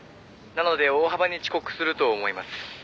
「なので大幅に遅刻すると思います」